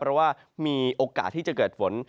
เพราะว่ามีโอกาสที่จะเกิดฝน